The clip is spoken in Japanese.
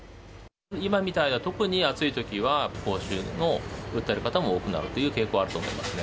今みたいな特に暑いときは、口臭を訴える方も多くなるという傾向はあると思いますね。